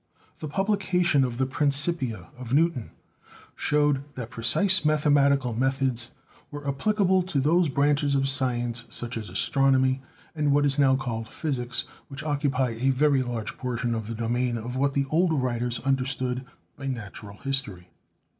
The publi cation of the "Principia" of Newton showed that precise mathematical methods were applicable to those branches of science such as astronomy, and what is now called physics, which occupy a very large portion of the domain of what the older writers understood by natural history.